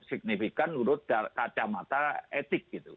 signifikan menurut kacamata etik gitu